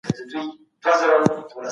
هغه مهال استاد د علم اهميت بياناوه.